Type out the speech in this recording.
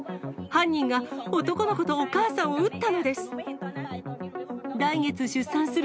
犯人が男の子とお母さんを撃ったのです。